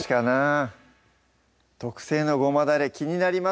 特製のごまだれ気になります